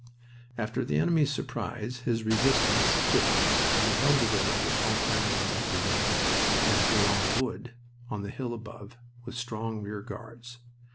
After the enemy's surprise his resistance stiffened and he held the village of Fontaine Notre Dame, and Bourlon Wood, on the hill above, with strong rear guards.